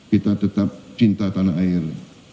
kita tetap cinta tanah air